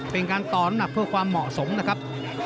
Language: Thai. เป็นการตอนเพื่อความเหมาะสมน่ะครับ